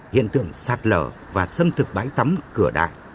hiện tượng sạt lở và xâm thực bãi tắm cửa đại